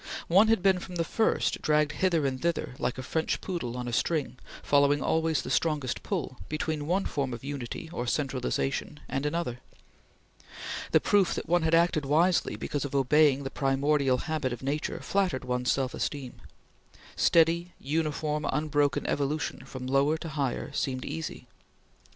One had been, from the first, dragged hither and thither like a French poodle on a string, following always the strongest pull, between one form of unity or centralization and another. The proof that one had acted wisely because of obeying the primordial habit of nature flattered one's self esteem. Steady, uniform, unbroken evolution from lower to higher seemed easy.